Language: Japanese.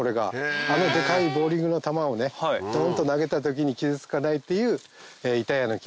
あのデカいボウリングの球をねドンと投げた時に傷つかないっていうイタヤの木ですね。